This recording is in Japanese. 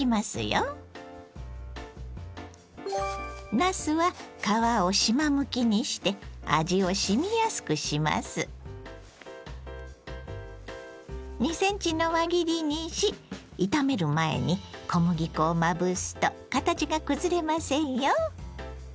なすは２ｃｍの輪切りにし炒める前に小麦粉をまぶすと形が崩れませんよ。